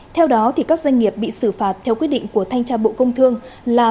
theo đó các doanh nghiệp bị xử phạt theo quyết định của thanh tra bộ công thương là